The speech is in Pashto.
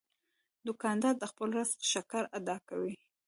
دوکاندار د خپل رزق شکر ادا کوي.